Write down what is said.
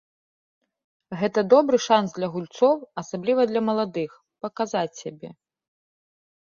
Гэта добры шанс для гульцоў, асабліва для маладых, паказаць сябе.